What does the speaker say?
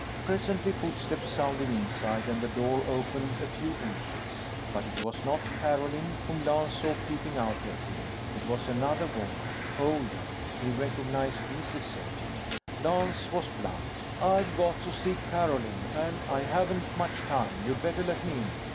Presently, footsteps sounded inside and the door opened a few inches. But it was not Carolyn whom Lance saw peeping out at him. It was another woman, older. He recognized Mrs. Sagen. Lance was blunt. "I've got to see Carolyn, and I haven't much time. You'd better let me in."